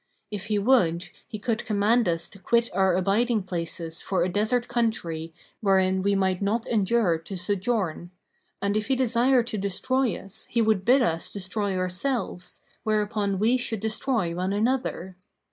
If he would, he could command us to quit our abiding places for a desert country wherein we might not endure to sojourn; and if he desired to destroy us, he would bid us destroy ourselves, whereupon we should destroy one another.